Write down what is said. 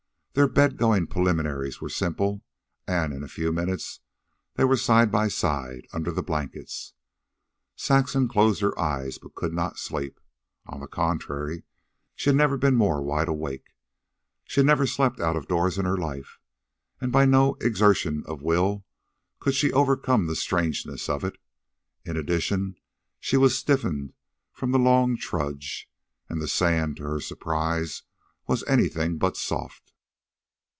Their bed going preliminaries were simple, and in a few minutes they were side by side under the blankets. Saxon closed her eyes, but could not sleep. On the contrary, she had never been more wide awake. She had never slept out of doors in her life, and by no exertion of will could she overcome the strangeness of it. In addition, she was stiffened from the long trudge, and the sand, to her surprise, was anything but soft.